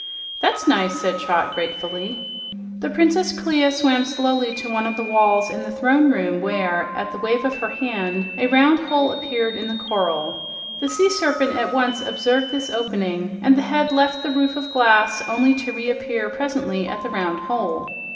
"That's nice," said Trot gratefully. The Princess Clia swam slowly to one of the walls of the throne room where, at a wave of her hand, a round hole appeared in the coral. The sea serpent at once observed this opening and the head left the roof of glass only to reappear presently at the round hole.